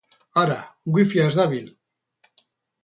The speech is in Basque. Hara, wifia ez dabil!